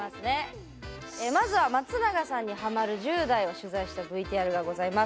まずは松永さんにハマる１０代を取材したＶＴＲがございます。